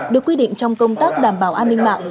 được quy định trong công tác đảm bảo an ninh mạng